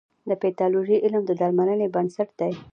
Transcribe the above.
د پیتالوژي علم د درملنې بنسټ دی.